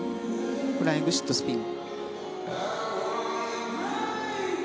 フライングシットスピン。